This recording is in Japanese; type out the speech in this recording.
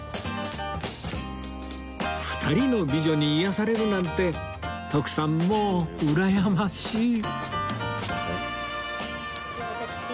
２人の美女に癒やされるなんて徳さんもううらやましい！